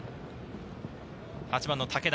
８番・武田。